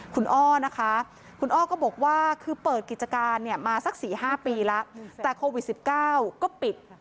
คุณอ้อนะคะคุณอ้อก็บอกว่าคือเปิดกิจการเนี่ยมาสัก๔๕ปีแล้วแต่โควิด๑๙ก็ปิด